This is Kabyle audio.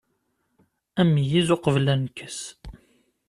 Ameyyez uqbel uneggez.